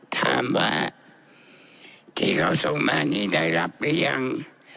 ถามว่าที่เขาส่งมานี่ได้รับหรือยัง